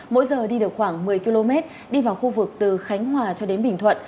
mỗi giờ đi được khoảng một mươi km đi vào khu vực từ khánh hòa cho đến bình thuận